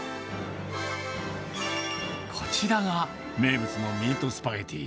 こちらが名物のミートスパゲティ。